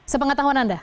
sepengat tahun anda